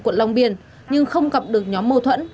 quận long biên nhưng không gặp được nhóm mâu thuẫn